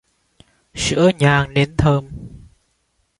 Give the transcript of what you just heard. Sữa nhang nến thơm